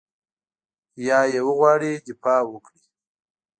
یا یې وغواړي دفاع وکړي.